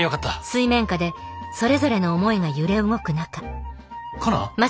水面下でそれぞれの思いが揺れ動く中カナ？